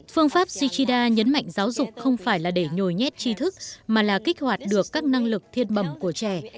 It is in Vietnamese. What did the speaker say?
phương pháp shichida nhấn mạnh giáo dục không phải là để nhồi nhét chi thức mà là kích hoạt được các năng lực thiên bẩm của trẻ